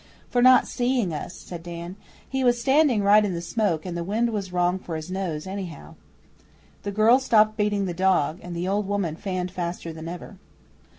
'For not seeing us,' said Dan. 'He was standing right in the smoke, and the wind was wrong for his nose, anyhow.' The girl stopped beating the dog, and the old woman fanned faster than ever.